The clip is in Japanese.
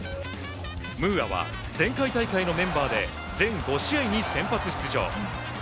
ムーアは前回大会のメンバーで全５試合に先発出場。